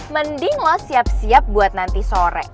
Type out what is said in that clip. mending loh siap siap buat nanti sore